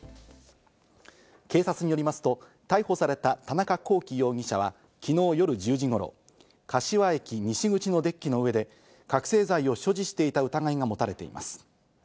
警察によりますと、逮捕された田中聖容疑者は昨日夜１０時頃、柏駅西口のデッキの上で覚醒剤を所持していた疑いが持たれています。